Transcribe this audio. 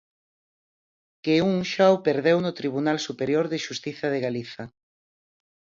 Que un xa o perdeu no Tribunal Superior de Xustiza de Galiza.